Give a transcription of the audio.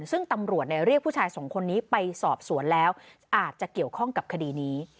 ซึ่งตำรวจเรียกผู้ชายสองคนนี้ไปสอบสวนแล้วอาจจะเกี่ยวข้องกับคดีนี้